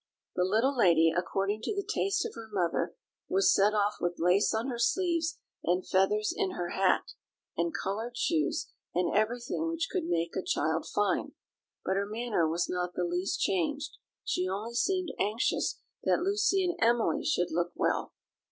The little lady, according to the taste of her mother, was set off with lace on her sleeves and feathers in her hat, and coloured shoes, and everything which could make a child fine; but her manner was not the least changed; she only seemed anxious that Lucy and Emily should look well.